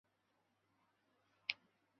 鸡纳树为茜草科金鸡纳属下的一个种。